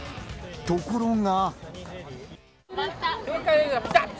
ところが。